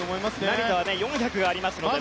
成田は４００がありますからね。